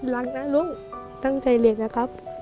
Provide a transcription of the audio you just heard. รักนะลุงตั้งใจเรียนนะครับ